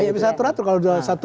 iya bisa diatur atur kalau satu